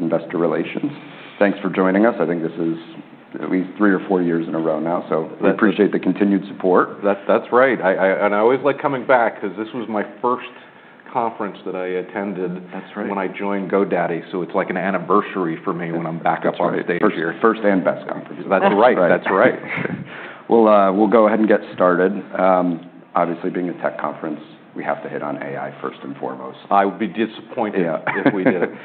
Of Investor Relations. Thanks for joining us. I think this is at least three or four years in a row now, so we appreciate the continued support. That's right. And I always like coming back because this was my first conference that I attended when I joined GoDaddy. So it's like an anniversary for me when I'm back up on stage here. First and best conference. That's right. That's right. We'll go ahead and get started. Obviously, being a tech conference, we have to hit on AI first and foremost. I would be disappointed if we didn't.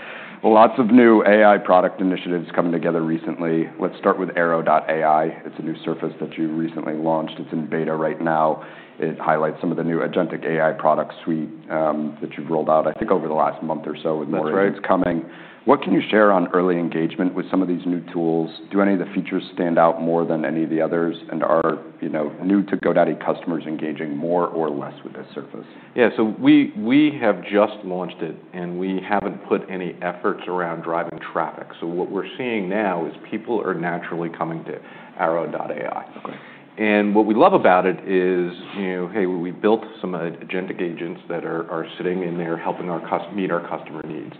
Lots of new AI product initiatives coming together recently. Let's start with Airo.AI. It's a new surface that you recently launched. It's in beta right now. It highlights some of the new Agentic AI product suite that you've rolled out, I think over the last month or so with more events coming. What can you share on early engagement with some of these new tools? Do any of the features stand out more than any of the others? And are new to GoDaddy customers engaging more or less with this surface? Yeah, so we have just launched it, and we haven't put any efforts around driving traffic. So what we're seeing now is people are naturally coming to Airo.AI. And what we love about it is, hey, we built some agentic agents that are sitting in there helping meet our customer needs.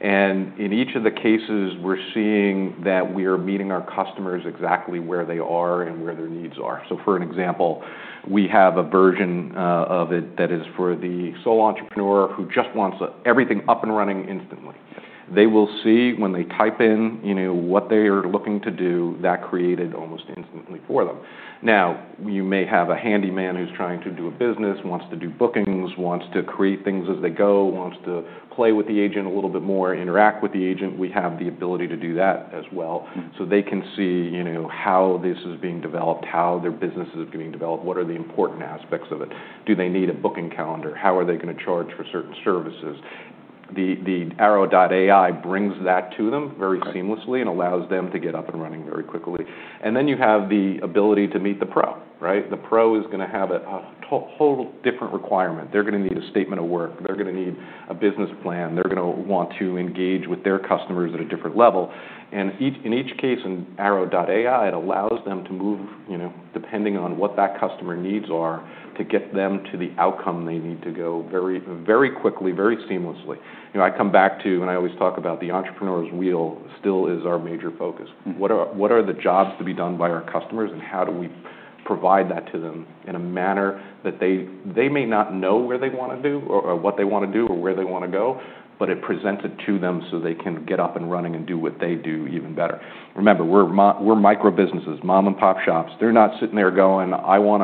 And in each of the cases, we're seeing that we are meeting our customers exactly where they are and where their needs are. So for an example, we have a version of it that is for the sole entrepreneur who just wants everything up and running instantly. They will see when they type in what they are looking to do that created almost instantly for them. Now, you may have a handyman who's trying to do a business, wants to do bookings, wants to create things as they go, wants to play with the agent a little bit more, interact with the agent. We have the ability to do that as well, so they can see how this is being developed, how their business is being developed, what are the important aspects of it. Do they need a booking calendar? How are they going to charge for certain services? The Airo.AI brings that to them very seamlessly and allows them to get up and running very quickly, and then you have the ability to meet the pro, right? The pro is going to have a whole different requirement. They're going to need a statement of work. They're going to need a business plan. They're going to want to engage with their customers at a different level. And in each case in Airo.AI, it allows them to move, depending on what that customer needs are, to get them to the outcome they need to go very quickly, very seamlessly. I come back to, and I always talk about the entrepreneur's wheel still is our major focus. What are the jobs to be done by our customers, and how do we provide that to them in a manner that they may not know where they want to do or what they want to do or where they want to go, but it presents it to them so they can get up and running and do what they do even better. Remember, we're microbusinesses, mom-and-pop shops. They're not sitting there going, "I want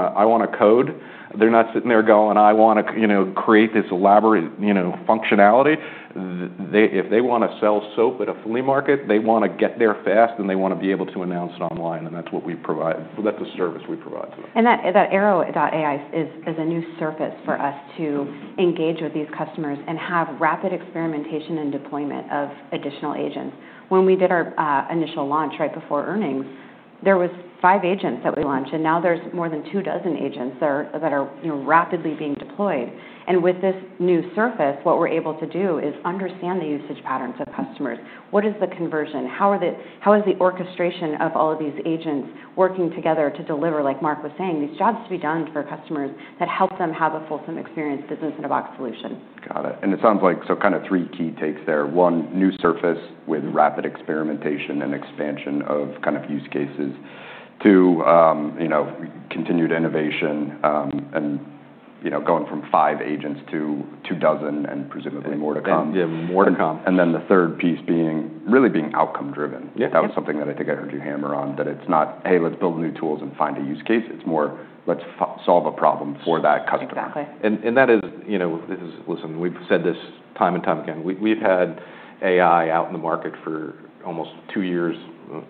to code." They're not sitting there going, "I want to create this elaborate functionality." If they want to sell soap at a flea market, they want to get there fast, and they want to be able to announce it online. And that's what we provide. That's a service we provide to them. That Airo.AI is a new surface for us to engage with these customers and have rapid experimentation and deployment of additional agents. When we did our initial launch right before earnings, there were five agents that we launched, and now there's more than two dozen agents that are rapidly being deployed. With this new surface, what we're able to do is understand the usage patterns of customers. What is the conversion? How is the orchestration of all of these agents working together to deliver, like Mark was saying, these jobs to be done for customers that help them have a fulsome experience business-in-a-box solution? Got it. And it sounds like so kind of three key takes there. One, new surface with rapid experimentation and expansion of kind of use cases. Two, continued innovation and going from five agents to two dozen and presumably more to come. Yeah, more to come. And then the third piece being really outcome-driven. That was something that I think I heard you hammer on, that it's not, "Hey, let's build new tools and find a use case." It's more, "Let's solve a problem for that customer. Exactly. That is, listen, we've said this time and time again. We've had AI out in the market for almost two years.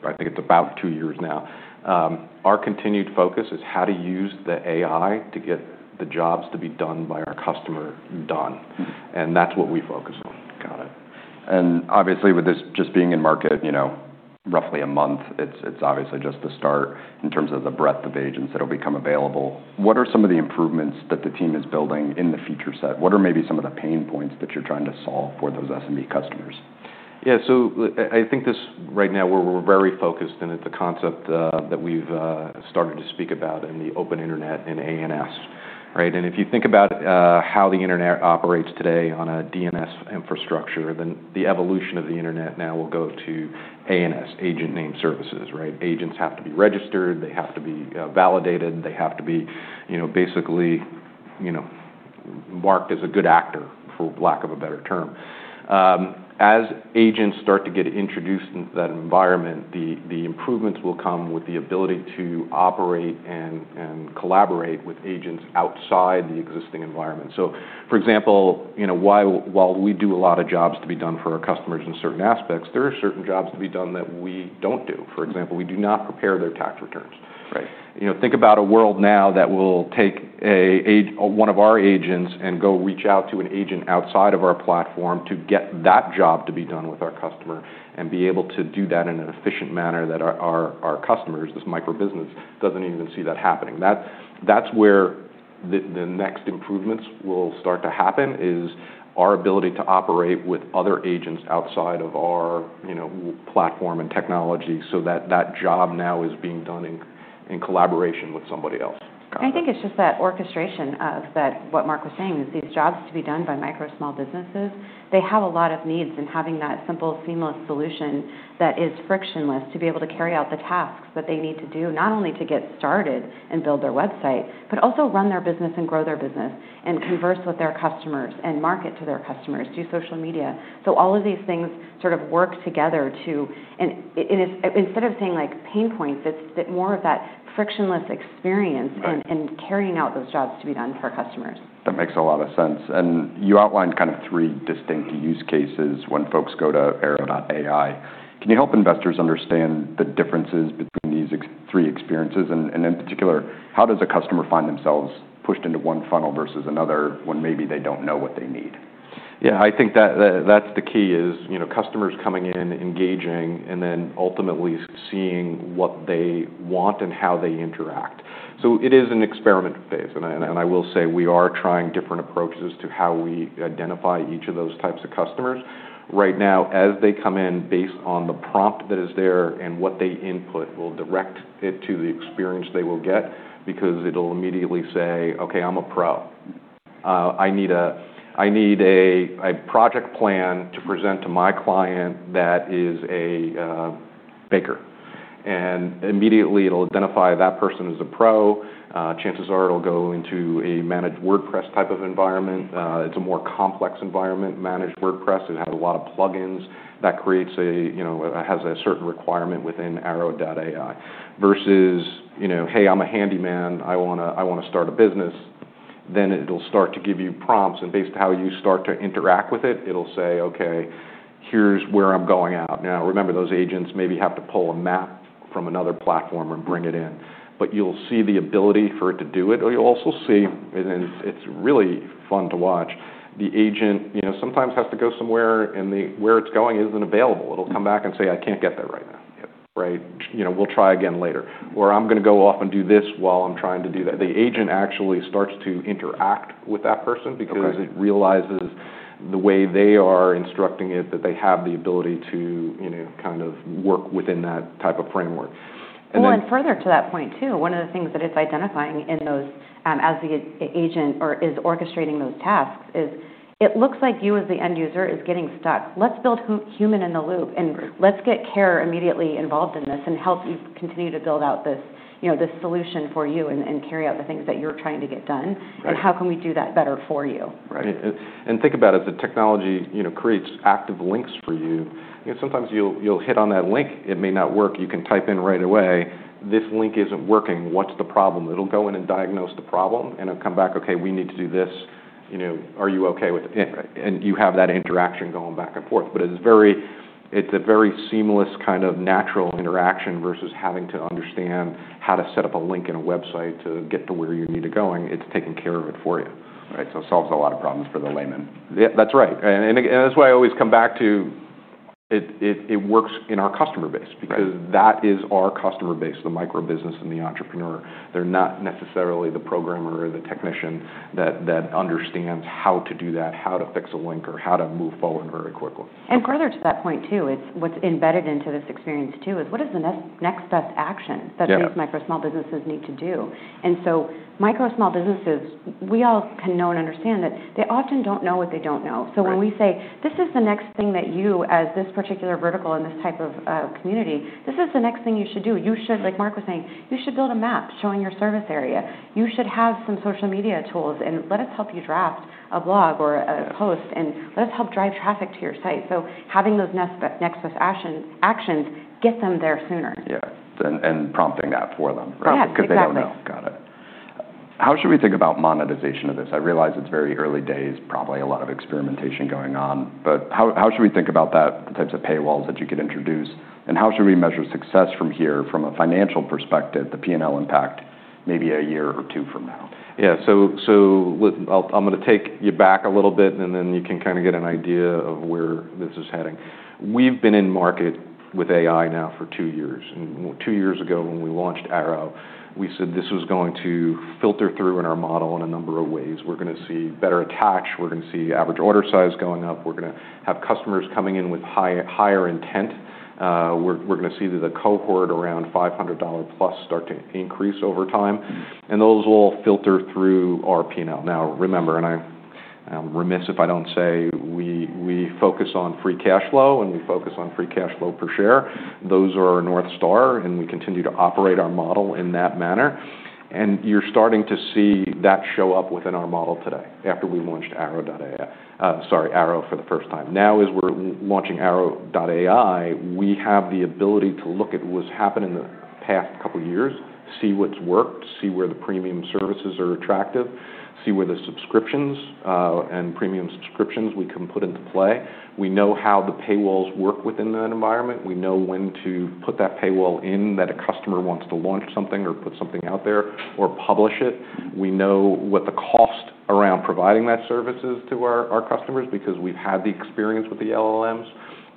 I think it's about two years now. Our continued focus is how to use the AI to get the Jobs to be Done by our customer done. That's what we focus on. Got it. And obviously, with this just being in market roughly a month, it's obviously just the start in terms of the breadth of agents that will become available. What are some of the improvements that the team is building in the feature set? What are maybe some of the pain points that you're trying to solve for those SMB customers? Yeah. So I think, right now, we're very focused on the concept that we've started to speak about in the Open Internet and ANS, right? And if you think about how the internet operates today on a DNS infrastructure, then the evolution of the internet now will go to ANS, Agent Name Service, right? Agents have to be registered. They have to be validated. They have to be basically marked as a good actor, for lack of a better term. As agents start to get introduced in that environment, the improvements will come with the ability to operate and collaborate with agents outside the existing environment. So for example, while we do a lot of Jobs to be Done for our customers in certain aspects, there are certain Jobs to be Done that we don't do. For example, we do not prepare their tax returns. Think about a world now that will take one of our agents and go reach out to an agent outside of our platform to get that job to be done with our customer and be able to do that in an efficient manner that our customers, this microbusiness, doesn't even see that happening. That's where the next improvements will start to happen is our ability to operate with other agents outside of our platform and technology so that that job now is being done in collaboration with somebody else. I think it's just that orchestration of what Mark was saying, these Jobs to be Done by micro small businesses. They have a lot of needs in having that simple, seamless solution that is frictionless to be able to carry out the tasks that they need to do, not only to get started and build their website, but also run their business and grow their business and converse with their customers and market to their customers, do social media. All of these things sort of work together to, instead of saying pain points, it's more of that frictionless experience and carrying out those Jobs to be Done for customers. That makes a lot of sense. And you outlined kind of three distinct use cases when folks go to Airo.AI. Can you help investors understand the differences between these three experiences? And in particular, how does a customer find themselves pushed into one funnel versus another when maybe they don't know what they need? Yeah. I think that's the key is customers coming in, engaging, and then ultimately seeing what they want and how they interact. So it is an experiment phase. And I will say we are trying different approaches to how we identify each of those types of customers. Right now, as they come in, based on the prompt that is there and what they input, we'll direct it to the experience they will get because it'll immediately say, "Okay, I'm a pro. I need a project plan to present to my client that is a baker." And immediately it'll identify that person as a pro. Chances are it'll go into a Managed WordPress type of environment. It's a more complex environment, Managed WordPress. It has a lot of plugins that has a certain requirement within Airo.AI versus, "Hey, I'm a handyman. I want to start a business." Then it'll start to give you prompts. And based on how you start to interact with it, it'll say, "Okay, here's where I'm going out." Now, remember, those agents maybe have to pull a map from another platform and bring it in. But you'll see the ability for it to do it. You'll also see, and it's really fun to watch, the agent sometimes has to go somewhere and where it's going isn't available. It'll come back and say, "I can't get there right now," right? "We'll try again later." Or, "I'm going to go off and do this while I'm trying to do that." The agent actually starts to interact with that person because it realizes the way they are instructing it that they have the ability to kind of work within that type of framework. Further to that point too, one of the things that it's identifying as the agent or is orchestrating those tasks is it looks like you as the end user are getting stuck. Let's build human-in-the-loop and let's get CARE immediately involved in this and help you continue to build out this solution for you and carry out the things that you're trying to get done. How can we do that better for you? Right. And think about it as the technology creates active links for you. Sometimes you'll hit on that link. It may not work. You can type in right away, "This link isn't working. What's the problem?" It'll go in and diagnose the problem and it'll come back, "Okay, we need to do this. Are you okay with it?" And you have that interaction going back and forth. But it's a very seamless kind of natural interaction versus having to understand how to set up a link in a website to get to where you need it going. It's taking care of it for you. Right. So it solves a lot of problems for the layman. That's right. And that's why I always come back to. It works in our customer base because that is our customer base, the microbusiness and the entrepreneur. They're not necessarily the programmer or the technician that understands how to do that, how to fix a link, or how to move forward very quickly. And further to that point too, what's embedded into this experience too is what is the next best action that these micro small businesses need to do? And so micro small businesses, we all can know and understand that they often don't know what they don't know. So when we say, "This is the next thing that you, as this particular vertical in this type of community, this is the next thing you should do. You should," like Mark was saying, "You should build a map showing your service area. You should have some social media tools. And let us help you draft a blog or a post. And let us help drive traffic to your site." So having those next best actions get them there sooner. Yeah, and prompting that for them, right? Exactly. Because they don't know. Got it. How should we think about monetization of this? I realize it's very early days, probably a lot of experimentation going on. But how should we think about the types of paywalls that you could introduce? And how should we measure success from here a financial perspective, the P&L impact, maybe a year or two from now? Yeah, so I'm going to take you back a little bit, and then you can kind of get an idea of where this is heading. We've been in market with AI now for two years, and two years ago when we launched Airo, we said this was going to filter through in our model in a number of ways. We're going to see better attach. We're going to see average order size going up. We're going to have customers coming in with higher intent. We're going to see the cohort around $500 plus start to increase over time, and those will filter through our P&L. Now, remember, and I'm remiss if I don't say we focus on free cash flow and we focus on free cash flow per share. Those are our North Star, and we continue to operate our model in that manner. And you're starting to see that show up within our model today after we launched Airo.AI. Sorry, Airo for the first time. Now, as we're launching Airo.AI, we have the ability to look at what's happened in the past couple of years, see what's worked, see where the premium services are attractive, see where the subscriptions and premium subscriptions we can put into play. We know how the paywalls work within that environment. We know when to put that paywall in that a customer wants to launch something or put something out there or publish it. We know what the cost around providing that service is to our customers because we've had the experience with the LLMs.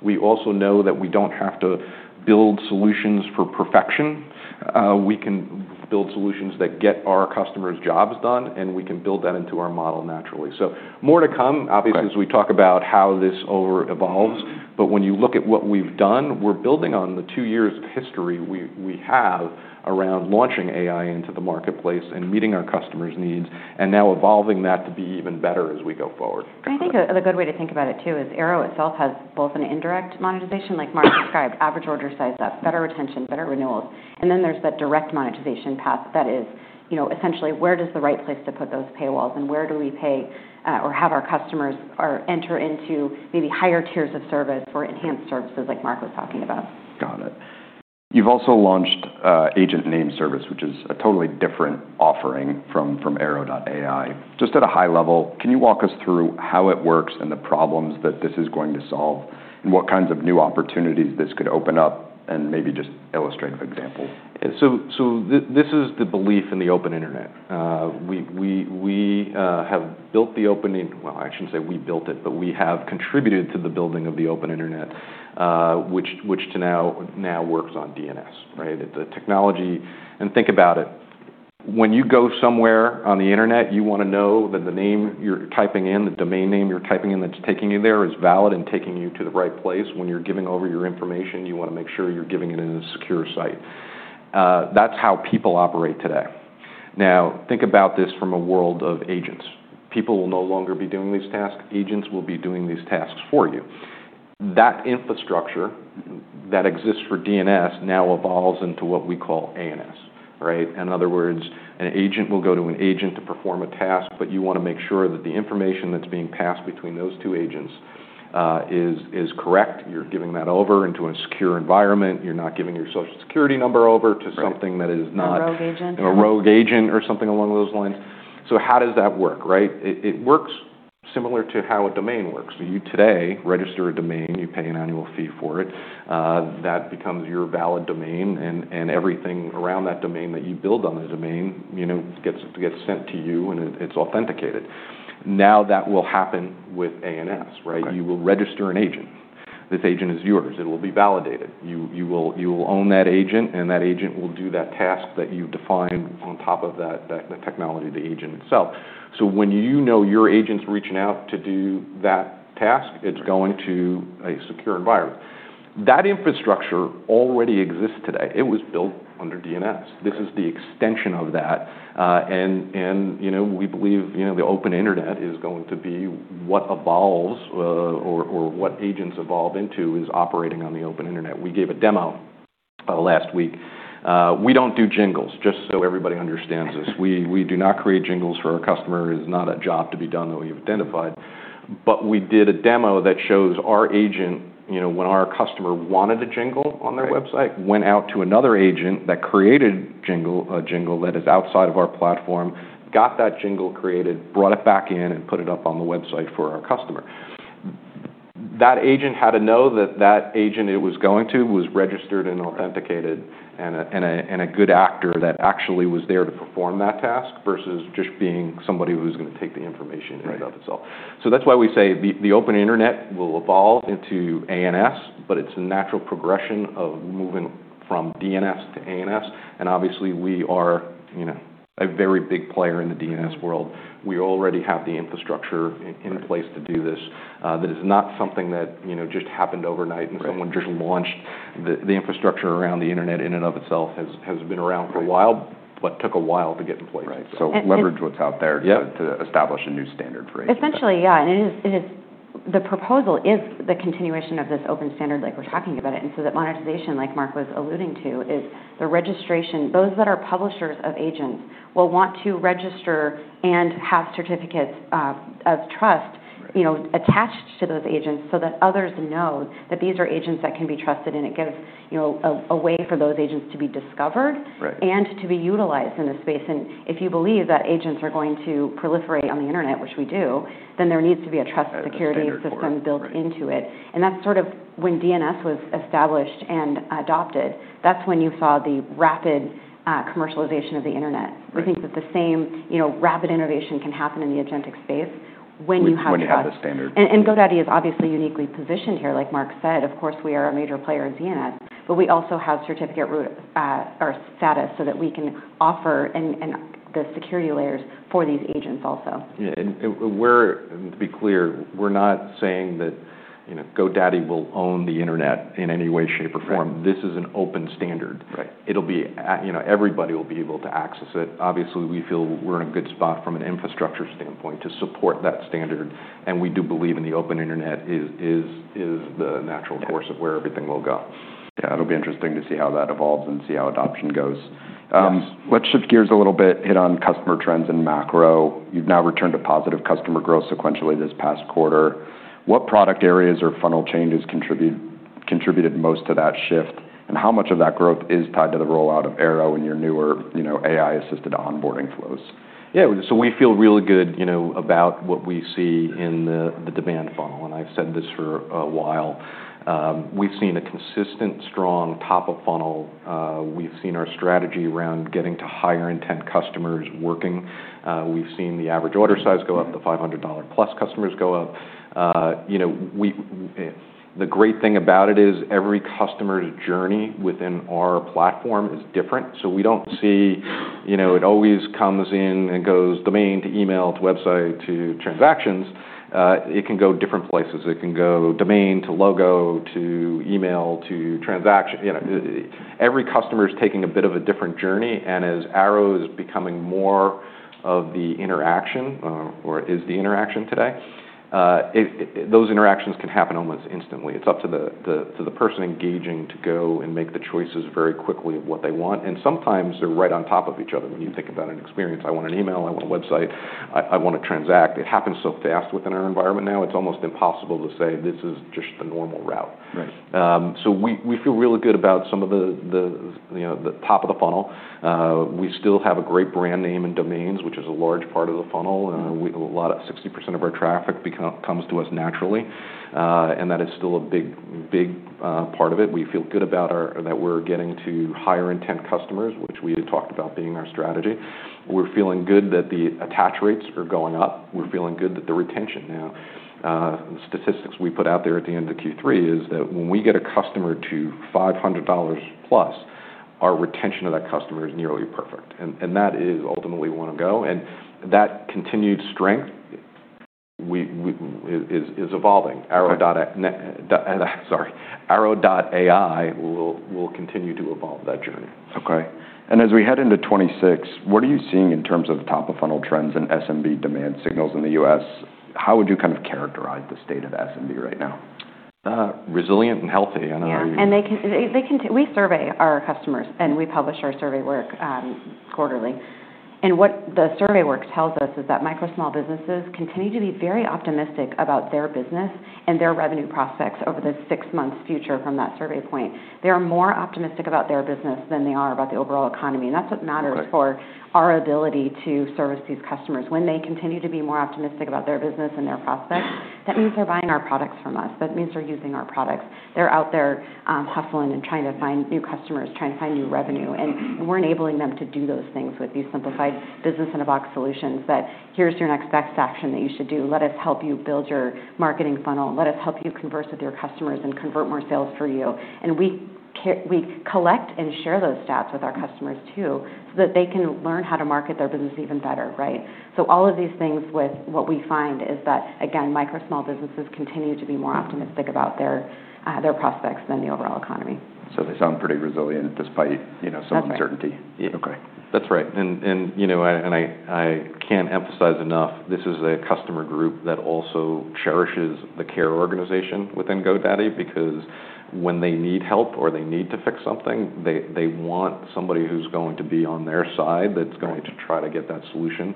We also know that we don't have to build solutions for perfection. We can build solutions that get our customers' jobs done, and we can build that into our model naturally. More to come, obviously, as we talk about how this evolves. When you look at what we've done, we're building on the two years of history we have around launching AI into the marketplace and meeting our customers' needs and now evolving that to be even better as we go forward. And I think a good way to think about it too is Airo itself has both an indirect monetization, like Mark described, average order size up, better retention, better renewals. And then there's that direct monetization path that is essentially where does the right place to put those paywalls and where do we pay or have our customers enter into maybe higher tiers of service or enhanced services like Mark was talking about. Got it. You've also launched Agent Name Service, which is a totally different offering from Airo.AI. Just at a high level, can you walk us through how it works and the problems that this is going to solve and what kinds of new opportunities this could open up and maybe just illustrate an example? This is the belief in the Open Internet. We have built the open web. I shouldn't say we built it, but we have contributed to the building of the open internet, which today works on DNS, right? The technology. Think about it. When you go somewhere on the internet, you want to know that the name you're typing in, the domain name you're typing in that's taking you there is valid and taking you to the right place. When you're giving over your information, you want to make sure you're giving it in a secure site. That's how people operate today. Now, think about this from a world of agents. People will no longer be doing these tasks. Agents will be doing these tasks for you. That infrastructure that exists for DNS now evolves into what we call ANS, right? In other words, an agent will go to an agent to perform a task, but you want to make sure that the information that's being passed between those two agents is correct. You're giving that over into a secure environment. You're not giving your Social Security number over to something that is not. A rogue agent. A rogue agent or something along those lines. So how does that work, right? It works similar to how a domain works. You today register a domain. You pay an annual fee for it. That becomes your valid domain. And everything around that domain that you build on the domain gets sent to you, and it's authenticated. Now, that will happen with ANS, right? You will register an agent. This agent is yours. It will be validated. You will own that agent, and that agent will do that task that you've defined on top of that technology, the agent itself. So when you know your agent's reaching out to do that task, it's going to a secure environment. That infrastructure already exists today. It was built under DNS. This is the extension of that. And we believe the Open Internet is going to be what evolves or what agents evolve into is operating on the Open Internet. We gave a demo last week. We don't do jingles, just so everybody understands this. We do not create jingles for our customers. It's not a job to be done that we've identified. But we did a demo that shows our agent, when our customer wanted a jingle on their website, went out to another agent that created a jingle that is outside of our platform, got that jingle created, brought it back in, and put it up on the website for our customer. That agent had to know that that agent it was going to was registered and authenticated and a good actor that actually was there to perform that task versus just being somebody who's going to take the information in and of itself. So that's why we say the open internet will evolve into ANS, but it's a natural progression of moving from DNS to ANS. And obviously, we are a very big player in the DNS world. We already have the infrastructure in place to do this. That is not something that just happened overnight and someone just launched. The infrastructure around the internet in and of itself has been around for a while, but took a while to get in place. Right. So leverage what's out there to establish a new standard for ANS. Essentially, yeah. And the proposal is the continuation of this open standard like we're talking about it. And so that monetization, like Mark was alluding to, is the registration. Those that are publishers of agents will want to register and have certificates of trust attached to those agents so that others know that these are agents that can be trusted. And it gives a way for those agents to be discovered and to be utilized in the space. And if you believe that agents are going to proliferate on the internet, which we do, then there needs to be a trust security system built into it. And that's sort of when DNS was established and adopted. That's when you saw the rapid commercialization of the internet. I think that the same rapid innovation can happen in the agentic space when you have the. When you have the standard. And GoDaddy is obviously uniquely positioned here. Like Mark said, of course, we are a major player in DNS, but we also have certificate root trust status so that we can offer the security layers for these agents also. Yeah. And to be clear, we're not saying that GoDaddy will own the internet in any way, shape, or form. This is an open standard. It'll be everybody will be able to access it. Obviously, we feel we're in a good spot from an infrastructure standpoint to support that standard. And we do believe in the open internet is the natural course of where everything will go. Yeah. It'll be interesting to see how that evolves and see how adoption goes. Let's shift gears a little bit, hit on customer trends and macro. You've now returned to positive customer growth sequentially this past quarter. What product areas or funnel changes contributed most to that shift? And how much of that growth is tied to the rollout of Aero and your newer AI-assisted onboarding flows? Yeah. So we feel really good about what we see in the demand funnel. And I've said this for a while. We've seen a consistent, strong top-of-funnel. We've seen our strategy around getting to higher intent customers working. We've seen the average order size go up. The $500-plus customers go up. The great thing about it is every customer's journey within our platform is different. So we don't see it always comes in and goes domain to email to website to transactions. It can go different places. It can go domain to logo to email to transaction. Every customer is taking a bit of a different journey. And as Airo is becoming more of the interaction, or is the interaction today, those interactions can happen almost instantly. It's up to the person engaging to go and make the choices very quickly of what they want. Sometimes they're right on top of each other when you think about an experience. I want an email. I want a website. I want to transact. It happens so fast within our environment now. It's almost impossible to say this is just the normal route. So we feel really good about some of the top of the funnel. We still have a great brand name and domains, which is a large part of the funnel. A lot of 60% of our traffic comes to us naturally. And that is still a big part of it. We feel good about that we're getting to higher intent customers, which we had talked about being our strategy. We're feeling good that the attach rates are going up. We're feeling good that the retention now. The statistics we put out there at the end of Q3 is that when we get a customer to $500+, our retention of that customer is nearly perfect, and that is ultimately want to go, and that continued strength is evolving. Airo.AI will continue to evolve that journey. Okay. And as we head into 2026, what are you seeing in terms of top-of-funnel trends and SMB demand signals in the U.S.? How would you kind of characterize the state of SMB right now? Resilient and healthy. I don't know. Yeah. We survey our customers, and we publish our survey work quarterly. What the survey work tells us is that micro- and small businesses continue to be very optimistic about their business and their revenue prospects over the six months' future from that survey point. They are more optimistic about their business than they are about the overall economy. That's what matters for our ability to service these customers. When they continue to be more optimistic about their business and their prospects, that means they're buying our products from us. That means they're using our products. They're out there hustling and trying to find new customers, trying to find new revenue. We're enabling them to do those things with these simplified business-in-a-box solutions that, "Here's your next best action that you should do. Let us help you build your marketing funnel. Let us help you converse with your customers and convert more sales for you," and we collect and share those stats with our customers too so that they can learn how to market their business even better, right?, so all of these things with what we find is that, again, micro small businesses continue to be more optimistic about their prospects than the overall economy. So they sound pretty resilient despite some uncertainty. Exactly. Yeah. Okay. That's right, and I can't emphasize enough, this is a customer group that also cherishes the care organization within GoDaddy because when they need help or they need to fix something, they want somebody who's going to be on their side that's going to try to get that solution.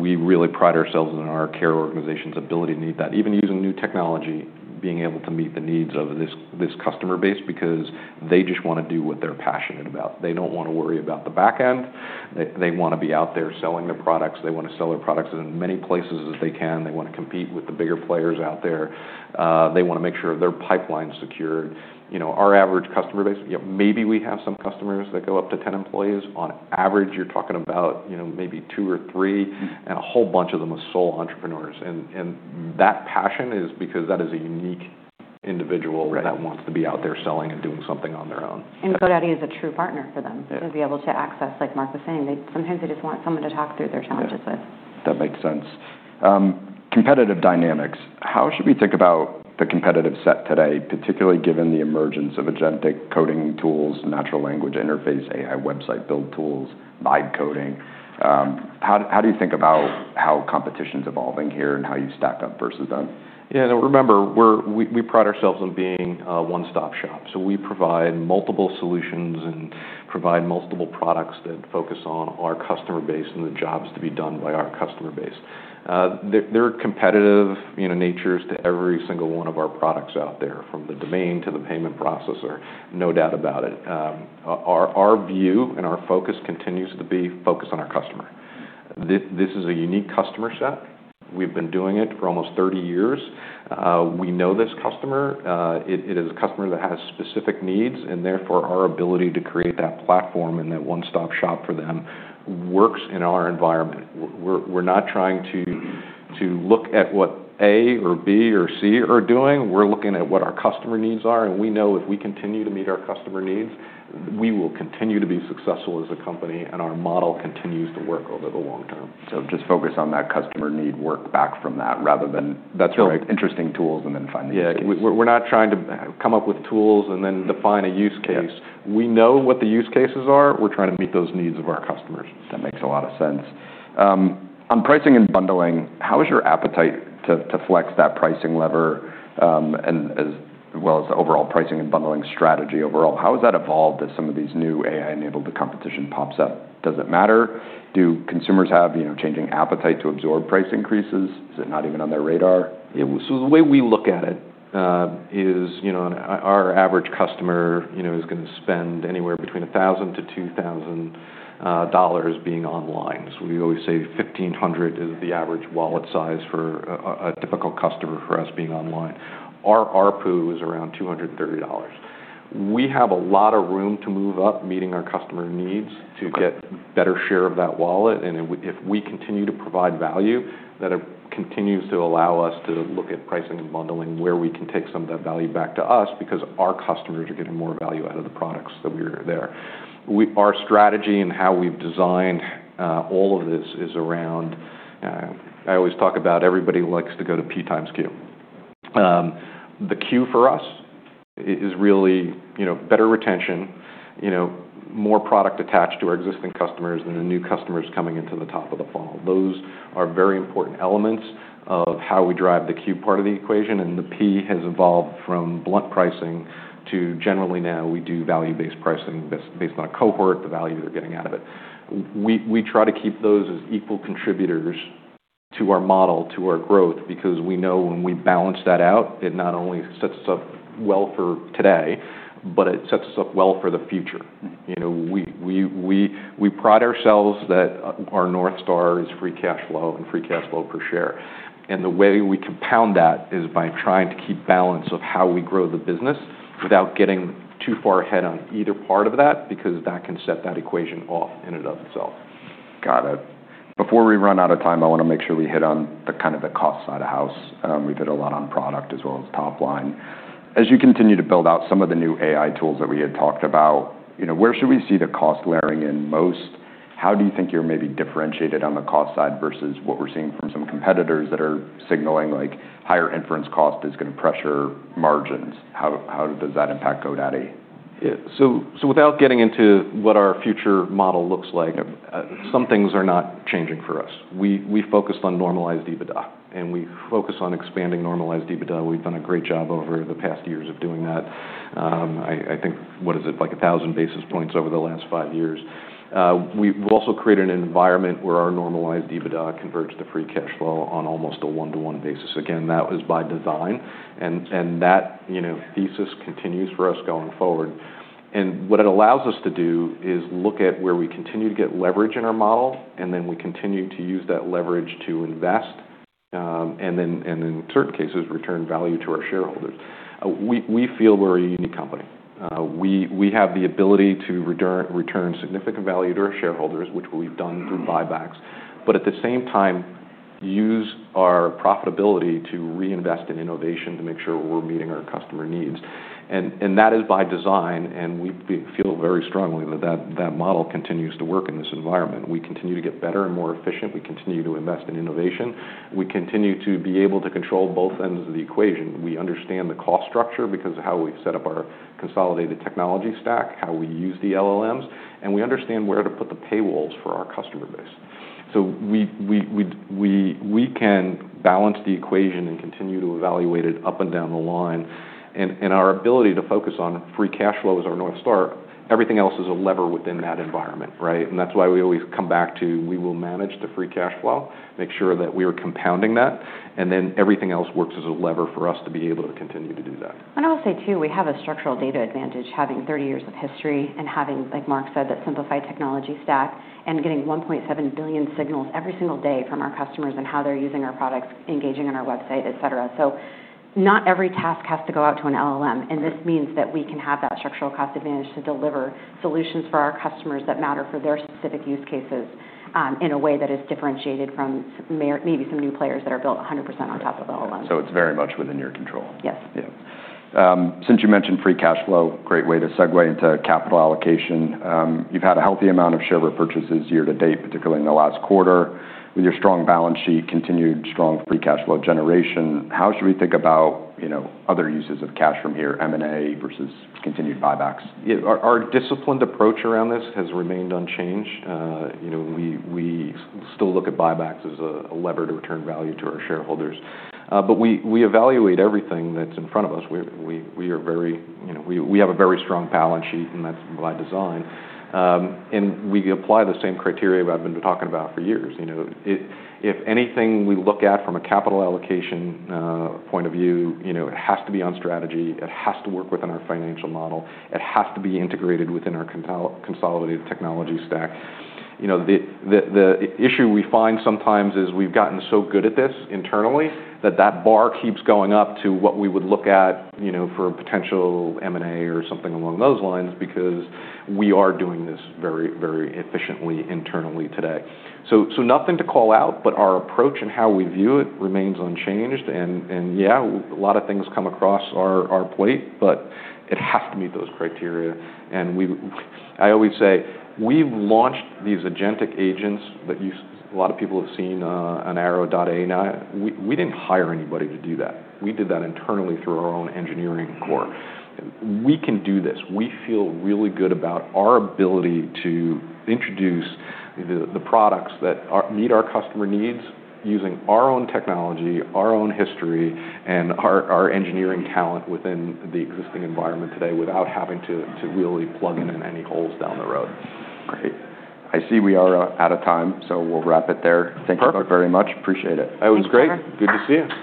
We really pride ourselves on our care organization's ability to need that. Even using new technology, being able to meet the needs of this customer base because they just want to do what they're passionate about. They don't want to worry about the backend. They want to be out there selling their products. They want to sell their products in as many places as they can. They want to compete with the bigger players out there. They want to make sure their pipeline's secured. Our average customer base, maybe we have some customers that go up to 10 employees. On average, you're talking about maybe two or three, and a whole bunch of them are sole entrepreneurs, and that passion is because that is a unique individual that wants to be out there selling and doing something on their own. GoDaddy is a true partner for them to be able to access, like Mark was saying. Sometimes they just want someone to talk through their challenges with. That makes sense. Competitive dynamics. How should we think about the competitive set today, particularly given the emergence of agentic coding tools, natural language interface, AI website build tools, live coding? How do you think about how competition's evolving here and how you stack up versus them? Yeah. And remember, we pride ourselves on being a one-stop shop. So we provide multiple solutions and provide multiple products that focus on our customer base and the jobs to be done by our customer base. They're competitive natures to every single one of our products out there, from the domain to the payment processor. No doubt about it. Our view and our focus continues to be focused on our customer. This is a unique customer set. We've been doing it for almost 30 years. We know this customer. It is a customer that has specific needs. And therefore, our ability to create that platform and that one-stop shop for them works in our environment. We're not trying to look at what A or B or C are doing. We're looking at what our customer needs are. We know if we continue to meet our customer needs, we will continue to be successful as a company. Our model continues to work over the long term. So just focus on that customer need, work back from that rather than that's interesting tools and then finding use cases. Yeah. We're not trying to come up with tools and then define a use case. We know what the use cases are. We're trying to meet those needs of our customers. That makes a lot of sense. On pricing and bundling, how is your appetite to flex that pricing lever as well as the overall pricing and bundling strategy overall? How has that evolved as some of these new AI-enabled competition pops up? Does it matter? Do consumers have changing appetite to absorb price increases? Is it not even on their radar? The way we look at it is our average customer is going to spend anywhere between $1,000-$2,000 being online. We always say $1,500 is the average wallet size for a typical customer for us being online. Our ARPU is around $230. We have a lot of room to move up, meeting our customer needs to get a better share of that wallet. And if we continue to provide value, that continues to allow us to look at pricing and bundling where we can take some of that value back to us because our customers are getting more value out of the products that we're there. Our strategy and how we've designed all of this is around, I always talk about everybody likes to go to P Q. The Q for us is really better retention, more product attached to our existing customers than the new customers coming into the top of the funnel. Those are very important elements of how we drive the Q part of the equation. And the P has evolved from blunt pricing to generally now we do value-based pricing based on a cohort, the value they're getting out of it. We try to keep those as equal contributors to our model, to our growth, because we know when we balance that out, it not only sets us up well for today, but it sets us up well for the future. We pride ourselves that our North Star is free cash flow and free cash flow per share. The way we compound that is by trying to keep balance of how we grow the business without getting too far ahead on either part of that because that can set that equation off in and of itself. Got it. Before we run out of time, I want to make sure we hit on the kind of the cost side of house. We've hit a lot on product as well as top line. As you continue to build out some of the new AI tools that we had talked about, where should we see the cost layering in most? How do you think you're maybe differentiated on the cost side versus what we're seeing from some competitors that are signaling higher inference cost is going to pressure margins? How does that impact GoDaddy? Yeah. So without getting into what our future model looks like, some things are not changing for us. We focused on Normalized EBITDA. And we focus on expanding Normalized EBITDA. We've done a great job over the past years of doing that. I think, what is it, like 1,000 basis points over the last five years. We've also created an environment where our Normalized EBITDA converts to free cash flow on almost a one-to-one basis. Again, that was by design. And that thesis continues for us going forward. And what it allows us to do is look at where we continue to get leverage in our model, and then we continue to use that leverage to invest, and in certain cases, return value to our shareholders. We feel we're a unique company. We have the ability to return significant value to our shareholders, which we've done through buybacks. But at the same time, use our profitability to reinvest in innovation to make sure we're meeting our customer needs. And that is by design. And we feel very strongly that that model continues to work in this environment. We continue to get better and more efficient. We continue to invest in innovation. We continue to be able to control both ends of the equation. We understand the cost structure because of how we've set up our consolidated technology stack, how we use the LLMs, and we understand where to put the paywalls for our customer base. So we can balance the equation and continue to evaluate it up and down the line. And our ability to focus on free cash flow as our North Star, everything else is a lever within that environment, right? That's why we always come back to we will manage the free cash flow, make sure that we are compounding that, and then everything else works as a lever for us to be able to continue to do that. And I will say too, we have a structural data advantage having 30 years of history and having, like Mark said, that simplified technology stack and getting 1.7 billion signals every single day from our customers and how they're using our products, engaging on our website, etc., so not every task has to go out to an LLM, and this means that we can have that structural cost advantage to deliver solutions for our customers that matter for their specific use cases in a way that is differentiated from maybe some new players that are built 100% on top of LLMs. It's very much within your control. Yes. Yeah. Since you mentioned free cash flow, great way to segue into capital allocation. You've had a healthy amount of share repurchases year to date, particularly in the last quarter. With your strong balance sheet, continued strong free cash flow generation, how should we think about other uses of cash from here, M&A versus continued buybacks? Yeah. Our disciplined approach around this has remained unchanged. We still look at buybacks as a lever to return value to our shareholders. But we evaluate everything that's in front of us. We have a very strong balance sheet, and that's by design. And we apply the same criteria I've been talking about for years. If anything, we look at from a capital allocation point of view, it has to be on strategy. It has to work within our financial model. It has to be integrated within our consolidated technology stack. The issue we find sometimes is we've gotten so good at this internally that that bar keeps going up to what we would look at for a potential M&A or something along those lines because we are doing this very, very efficiently internally today. So nothing to call out, but our approach and how we view it remains unchanged. Yeah, a lot of things come across our plate, but it has to meet those criteria. I always say we've launched these agentic agents that a lot of people have seen on Aero.AI now. We didn't hire anybody to do that. We did that internally through our own engineering core. We can do this. We feel really good about our ability to introduce the products that meet our customer needs using our own technology, our own history, and our engineering talent within the existing environment today without having to really plug in any holes down the road. Great. I see we are out of time, so we'll wrap it there. Thank you very much. Appreciate it. That was great. Good to see you.